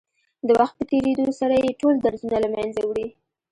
د وخت په تېرېدو سره يې ټول درځونه له منځه وړي.